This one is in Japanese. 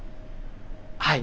はい。